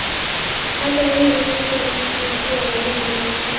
Hata hivyo Niger ni nchi isiyo na dini rasmi.